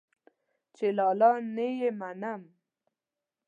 چې لالا نه يې منم.